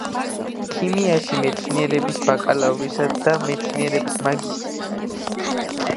ქიმიაში მეცნიერების ბაკალავრისა და მეცნიერების მაგისტრის წოდება ალექსანდრიის უნივერსიტეტში მიიღო.